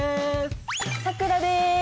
さくらです！